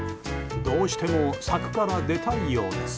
どうしても柵から出たいようです。